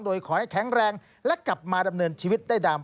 โดยขอให้แข็งแรงและกลับมาดำเนินชีวิตได้ตาม